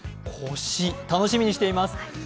コシ、楽しみにしています。